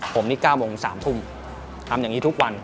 ผมนี่๙โมงถึง๓ทุ่มทำอย่างนี้ทุกวัน